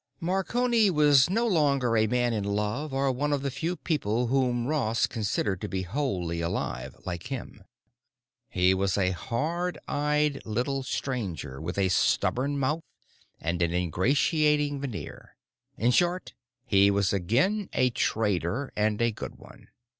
Marconi was no longer a man in love or one of the few people whom Ross considered to be wholly alive—like him. He was a hard eyed little stranger with a stubborn mouth and an ingratiating veneer. In short he was again a trader, and a good one.